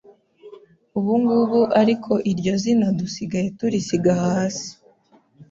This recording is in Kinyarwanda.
ubungubu ariko iryo zina dusigaye turisiga hasi.”